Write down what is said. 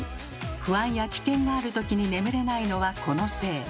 不安や危険がある時に眠れないのはこのせい。